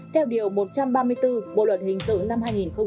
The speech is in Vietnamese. theo điều một trăm ba mươi bốn bộ luật hình sự năm hai nghìn một mươi năm